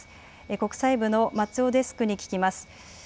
国際部の松尾デスクに聞きます。